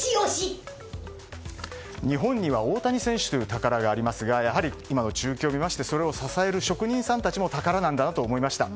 日本には大谷選手という宝がありますがやはり今の中継を見てそれを支える職人さんたちも宝なんだなと思いました。